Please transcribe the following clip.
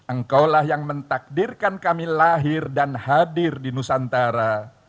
engkaulah yang mentakdirkan kami lahir dan hadir di nusantara